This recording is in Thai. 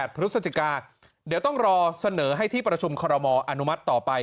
พฤศจิกาเดี๋ยวต้องรอเสนอให้ที่ประชุมคอรมออนุมัติต่อไป